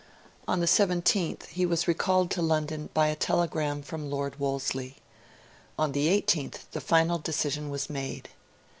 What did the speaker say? On the 17th he was recalled to London by a telegram from Lord Wolseley. On the 18th the final decision was made.